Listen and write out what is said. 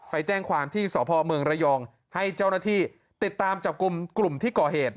ไปแจ้งความที่สพเมืองระยองให้เจ้าหน้าที่ติดตามจับกลุ่มกลุ่มที่ก่อเหตุ